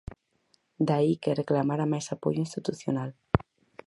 De aí que reclamara máis apoio institucional.